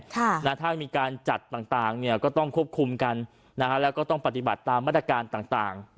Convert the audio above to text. ถ้ามีการจัดต่างเนี่ยก็ต้องควบคุมกันนะฮะแล้วก็ต้องปฏิบัติตามมาตรการต่าง